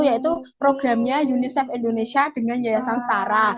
yaitu programnya unicef indonesia dengan yayasan setara